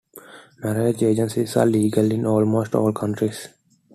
Marriage agencies are legal in almost all countries.